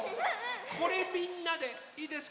これみんなでいいですか？